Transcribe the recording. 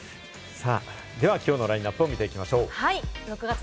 では、きょうのラインナップを見ていきましょう。